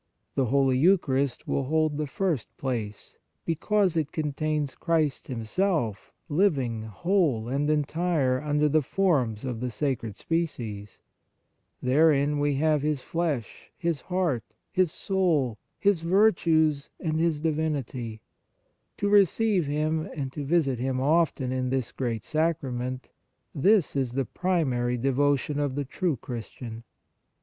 The Holy Eucharist will hold the first place, because it contains Christ Himself living whole and entire under the forms of the sacred species : therein we have His flesh, His heart, His soul, His virtues and His divinity : to receive Him and to visit Him often in this great Sacra ment, this is the primary devotion of the true Christian.